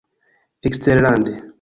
Eksterlande.